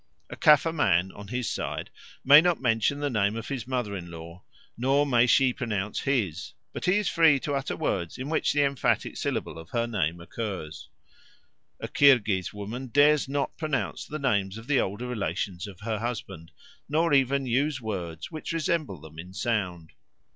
A Caffre man, on his side, may not mention the name of his mother in law, nor may she pronounce his; but he is free to utter words in which the emphatic syllable of her name occurs. A Kirghiz woman dares not pronounce the names of the older relations of her husband, nor even use words which resemble them in sound.